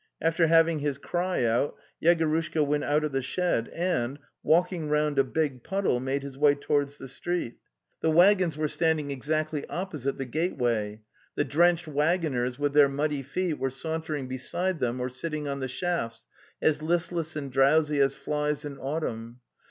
After having his cry out, Yegorushka went out of the shed and, walking round a big puddle, made his way towards the street. The waggons were 284 The Tales of Chekhov standing exactly opposite the gateway. The drenched waggoners, with their muddy feet, were sauntering beside them or sitting on the shafts, as listless and drowsy as flies in autumn.